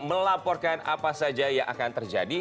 melaporkan apa saja yang akan terjadi